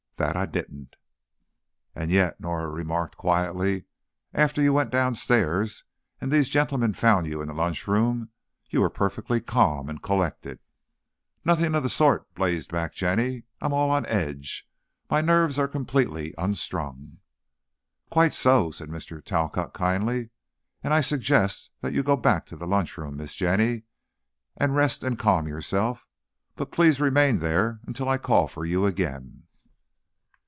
That I didn't!" "And yet," Norah remarked, quietly, "after you went downstairs and these gentlemen found you in the lunchroom, you were perfectly calm and collected " "Nothing of the sort!" blazed back Jenny; "I'm all on edge! My nerves are completely unstrung!" "Quite so," said Mr. Talcott, kindly, "and I suggest that you go back to the lunchroom, Miss Jenny, and rest and calm yourself. But please remain there, until I call for you again."